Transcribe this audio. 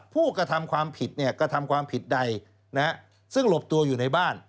ผู้กระทำความผิดกระทำความผิดใดซึ่งหลบตัวอยู่ในบ้าน